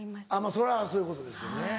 そりゃそういうことですよね。